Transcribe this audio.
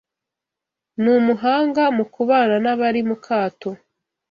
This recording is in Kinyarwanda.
Ni umuhanga mu kubana nabari mukato